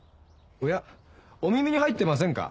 おやお耳に入ってませんか？